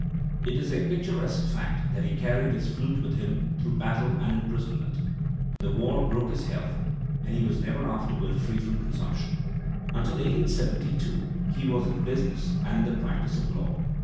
It is a picturesque fact that he carried his flute with him through battle and ii^risonment. The war broke his health, and he was never afterward free from consiunption. Until 1872 he was in business and in the practice of law.